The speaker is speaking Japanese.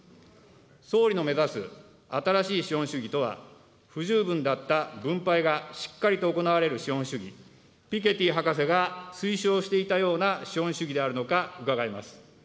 総理の目指す新しい資本主義とは、不十分だった分配がしっかりと行われる資本主義、ピケティ博士が推奨していたような資本主義であるのか、伺います。